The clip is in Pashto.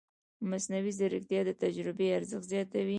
مصنوعي ځیرکتیا د تجربې ارزښت زیاتوي.